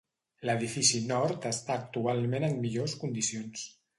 L'edifici nord està actualment en millors condicions.